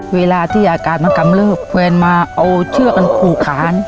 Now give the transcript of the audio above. เวลาที่อาการมันกำเริบแฟนมาเอาเชือกกันผูกขาน